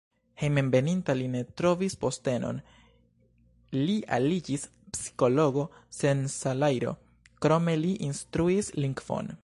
Hejmenveninta li ne trovis postenon, li iĝis psikologo sen salajro, krome li instruis lingvon.